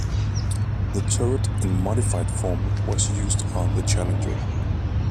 The turret "in modified form" was used on the Challenger.